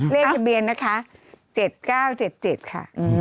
เลขทะเบียนนะคะ๗๙๗๗ค่ะ